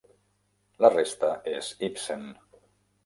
La resta és Ibsen.